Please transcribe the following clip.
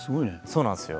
そうなんですよ。